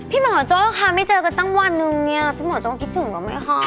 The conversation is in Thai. พี่หมอโจ้ค่ะไม่เจอกันตั้งวันนึงเนี่ยพี่หมอโจ้คิดถึงก็ไม่พอ